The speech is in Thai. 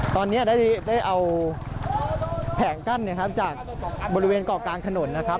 ตอนนี้ได้เอาแผงกั้นจากบริเวณเกาะกลางถนน